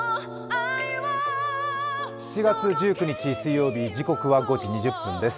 ７月１９日、水曜日、時刻は５時２０分です。